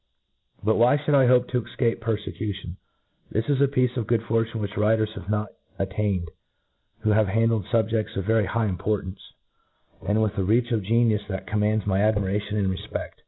But why fliould I hope to efcape perfecution ? This is a piece of good fortune which writers have not attained, who have handled fubjeds of very high importance, and with a reach of genius that commands my admiration and refped.